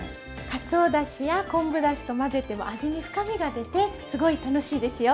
かつおだしや昆布だしと混ぜても味に深みが出てすごい楽しいですよ。